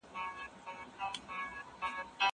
کېدای سي پاکوالي ګډ وي!!